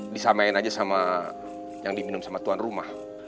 disamain aja sama yang diminum sama tuan rumah